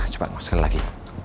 coba mau sekali lagi